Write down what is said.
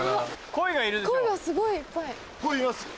鯉がすごいいっぱい。